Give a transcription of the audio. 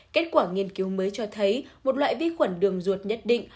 kết quả nghiên cứu mới cho thấy một loại vi khuẩn đường ruột nhất định